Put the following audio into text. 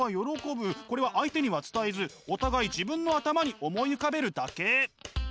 これは相手には伝えずお互い自分の頭に思い浮かべるだけ。